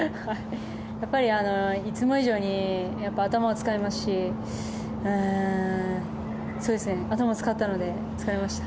やっぱりいつも以上に頭も使いますし頭を使ったので疲れました。